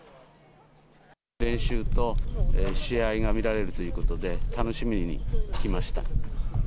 練習と試合が見られるということで、楽しみに来ました。